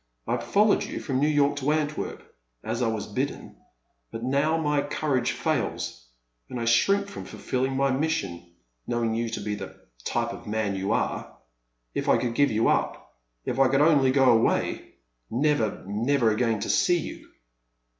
I have followed you from New York to Antwerp, as I was bidden, but now my courage fails, and I shrink from ftilfilling my mission, knowing you to be the type of man you are. If I could give it up — ^if I could only go away, — never, never again to see you